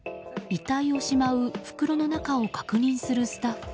遺体をしまう袋の中を確認するスタッフ。